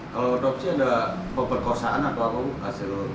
kalau otopsi ada pemerkosaan atau apa